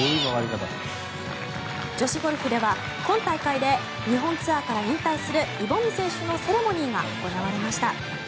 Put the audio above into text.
女子ゴルフでは今大会で日本ツアーから引退するイ・ボミ選手のセレモニーが行われました。